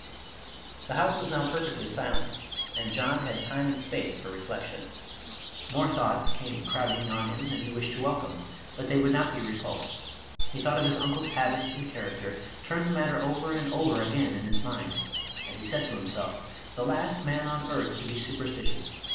The house was now perfectly silent, and John had time and space for reflection. More thoughts came crowding on him than he wished to welcome, but they would not be repulsed. He thought of his uncle's habits and character, turned the matter over and over again in his mind, and he said to himself, "The last man on earth to be super stitious.